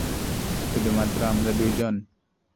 শুধুমাত্র আমরা দুইজন?